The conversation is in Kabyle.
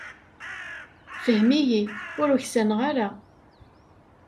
Fhem-iyi, ur uksaneɣ ara.